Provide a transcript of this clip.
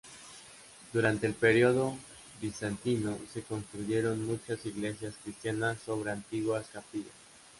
Durante el periodo bizantino, se construyeron muchas iglesias cristianas sobre antiguas capillas.